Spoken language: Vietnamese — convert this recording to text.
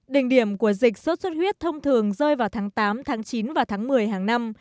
đỉnh điểm của dịch sốt xuất huyết thông thường rơi vào tháng tám tháng chín và tháng một mươi hàng năm